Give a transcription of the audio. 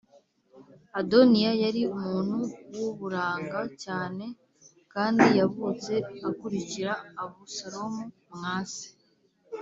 Adoniya yari umuntu w’uburanga cyane, kandi yavutse akurikira Abusalomu mwa se.